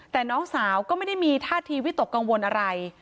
แต่น้องสาวก็ไม่ได้มีท่าทีวิตกกังวลอะไร